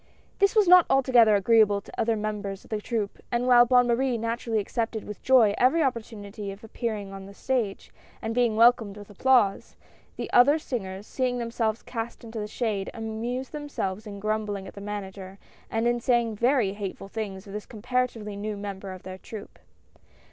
" This was not altogether agreeable to other mem bers of the troupe, and while Bonne Marie naturally accepted with joy every opportunity of appearing on the stage and being welcomed with applause, the other singers, seeing themselves cast into the shade, amused themselves in grumbling at the Manager, and in saying very hateful things of this comparatively new member of their troupe.